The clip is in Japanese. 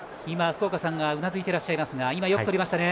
福岡さんがうなずいていらっしゃいましたがよくとりましたね。